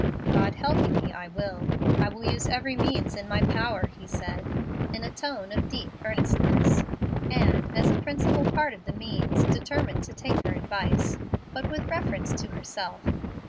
"God helping me, I will. I will use every means in my power," he said, in a tone of deep earnestness; and, as principal part of the means, determined to take her advice, but with reference to herself.